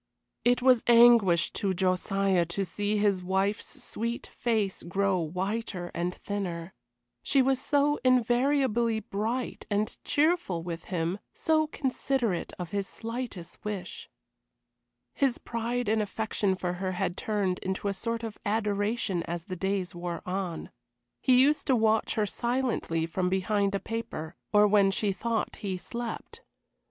It was anguish to Josiah to see his wife's sweet face grow whiter and thinner; she was so invariably bright and cheerful with him, so considerate of his slightest wish. His pride and affection for her had turned into a sort of adoration as the days wore on. He used to watch her silently from behind a paper, or when she thought he slept.